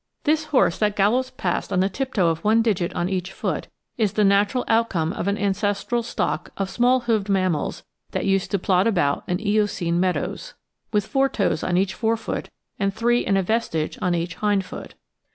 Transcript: This horse that gallops past on the tiptoe of one digit on each foot is the natural outcome of an ancestral stock of small hoofed mammals that used to plod about in the Eocene meadows, with four toes on each fore foot and three and a vestige on each hind foot.